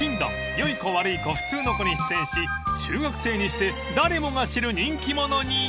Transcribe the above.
良い子悪い子普通の子』に出演し中学生にして誰もが知る人気者に］